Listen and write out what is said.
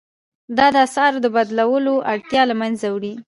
دا د اسعارو د بدلولو اړتیا له مینځه وړي.